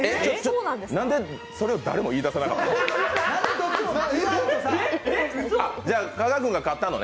なんでそれを誰も言い出さなかったの？